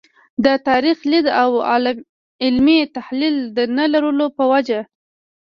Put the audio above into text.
د تاریخي لید او علمي تحلیل د نه لرلو په وجه.